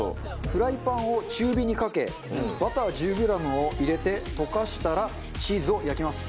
フライパンを中火にかけバター１０グラムを入れて溶かしたらチーズを焼きます。